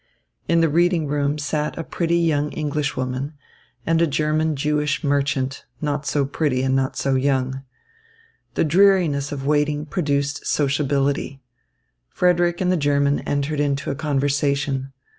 In the reading room sat a pretty young Englishwoman and a German Jewish merchant, not so pretty and not so young. The dreariness of waiting produced sociability. Frederick and the German entered into a conversation.